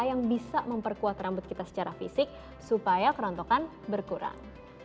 yang bisa memperkuat rambut kita secara fisik supaya kerontokan berkurang